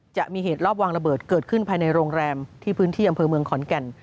จะมีเหตุรอบวางระเบิดเกิดขึ้นภายในโรงแรมที่พื้นที่อำเภอเมืองขอนแก่น